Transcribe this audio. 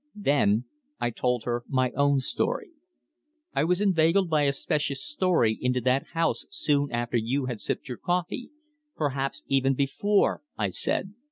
Then I told her my own story. "I was inveigled by a specious story into that house soon after you had sipped your coffee perhaps even before," I said.